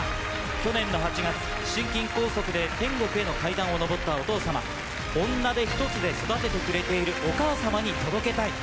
去年の８月心筋梗塞で天国への階段を上ったお父さま女手ひとつで育ててくれているお母さまに届けたい。